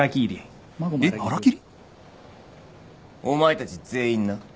お前たち全員な？